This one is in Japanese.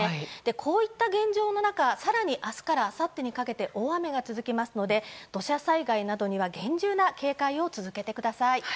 こういった現状の中更に明日からあさってにかけて大雨が続きますので土砂災害などには厳重な警戒を続けてください。